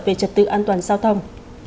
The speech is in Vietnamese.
về trật tự an toàn giao thông